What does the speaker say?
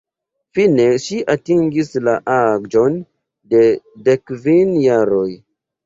Fine ŝi atingis la aĝon de dekkvin jaroj.